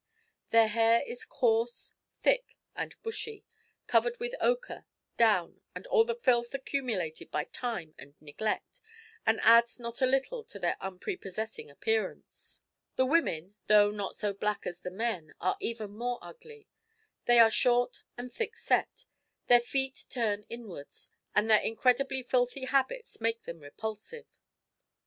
Their hair is coarse, thick, and bushy, covered with ochre, down, and all the filth accumulated by time and neglect, and adds not a little to their unprepossessing appearance. The women, though not so black as the men, are even more ugly. They are short and thick set; their feet turn inwards, and their incredibly filthy habits make them repulsive.